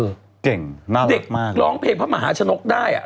เด็กร้องเพลงเพลงพระมหาชนกได้อ่ะ